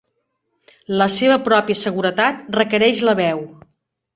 La seva pròpia seguretat requereix la Veu.